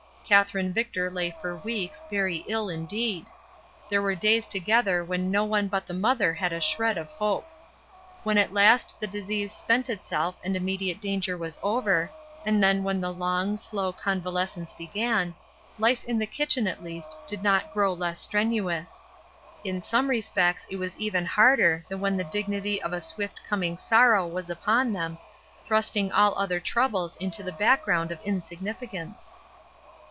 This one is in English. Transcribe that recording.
Katherine Victor lay for weeks very ill indeed; there were days together when no one but the mother had a shred of hope. When at last the disease spent itself and immediate danger was over, and then when the long, slow convalescence began, Ufe in the kitchen at least did not grow less strenu ous. In some respects it was even harder than when the dignity of a swift coming sorrow was upon them, thrusting all other troubles into the background of insignificance.